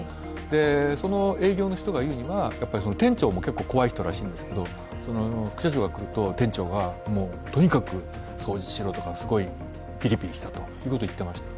その営業の人が言うには店長も結構、怖い人らしいんですが副社長が来ると店長がとにかく掃除しろとか、すごいピリピリしたと言っていました。